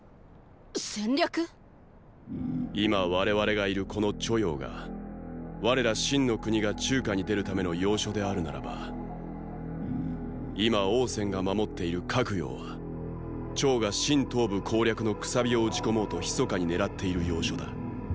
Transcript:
今我々がいるこの“著雍”が我ら秦の国が中華に出るための要所であるならば今王翦が守っている“拡陽”は趙が秦東部攻略の“楔”を打ち込もうと密かに狙っている要所だ。